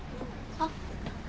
あっ。